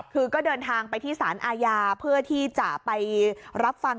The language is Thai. คือก็เดินทางไปที่สารอาญาเพื่อที่จะไปรับฟัง